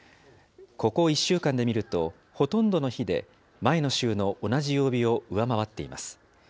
ここ１週間で見ると、ほとんどの日で、前の週の同じ曜日を上回っています。